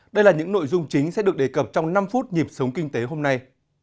đây là những nội dung chính sẽ được đề cập trong năm phút nhịp sống kinh tế hôm nay